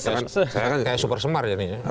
saya kan kayak supersemar jadinya